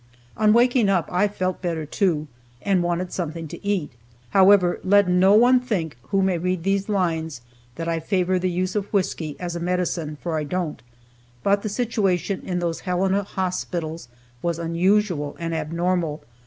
On waking up, I felt better, too, and wanted something to eat. However, let no one think, who may read these lines, that I favor the use of whisky as a medicine, for I don't. But the situation in those Helena hospitals was unusual and abnormal.